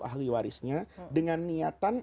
ahli warisnya dengan niatan